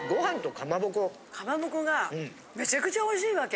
かまぼこがめちゃくちゃおいしいわけ。